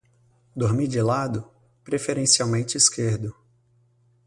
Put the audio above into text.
Dormir de lado, preferencialmente esquerdo